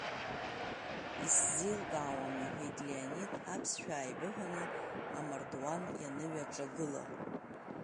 Исзеилкаауам, — иҳәеит Леонид, аԥсшәа ааибыҳәаны, амардуан ианыҩаҿагыла.